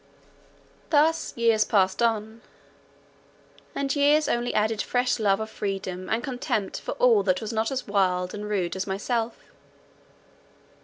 Thus years passed on; and years only added fresh love of freedom, and contempt for all that was not as wild and rude as myself.